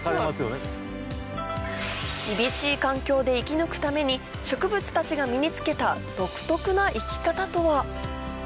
厳しい環境で生き抜くために植物たちが身につけた独特な生き方とは？